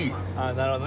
なるほどね。